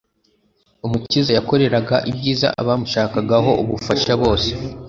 Umukiza yakoreraga ibyiza abamushakagaho ubufasha bose;